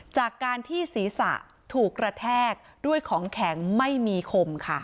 จากการที่ศีรษะถูกกระแทกด้วยของแข็งไม่มีคมค่ะ